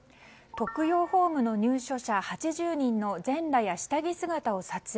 特養ホームの入所者８０人の全裸や下着姿を撮影。